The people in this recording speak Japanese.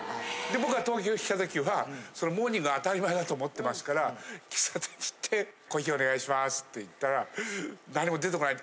僕が東京来たときはモーニングが当たり前だと思ってますから、喫茶店に行って、コーヒーお願いしますって言ったら、何も出てこない。